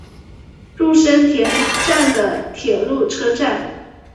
入生田站的铁路车站。